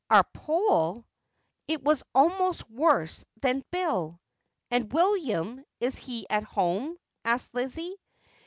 Our Poll ! It was almost worse than 'Bill.' ' And William, is he at home 1 ' asked Lizzie.